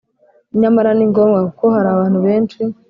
Nyamara ni ngombwa, kuko hari abantu benshi